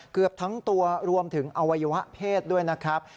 เกือบทั้งตัวรวมถึงอวัยวะเพศด้วยนะครับ